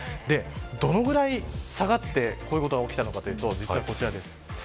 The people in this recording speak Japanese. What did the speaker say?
どのぐらい下がってこういうことが起きたのかというと、実はこちらです。